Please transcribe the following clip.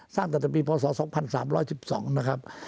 สร้างตั้งแต่ปีภาษาสองพันสามร้อยสิบสองนะครับ